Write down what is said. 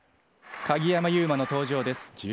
鍵山優真の登場です。